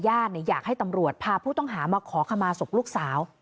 อยากให้ตำรวจพาผู้ต้องหามาขอขมาศพลูกสาว